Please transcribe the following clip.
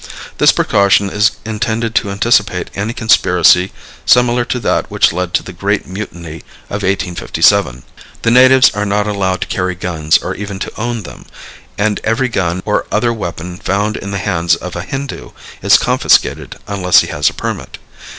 This precaution is intended to anticipate any conspiracy similar to that which led to the great mutiny of 1857. The natives are not allowed to carry guns or even to own them, and every gun or other weapon found in the hands of a Hindu is confiscated unless he has a permit.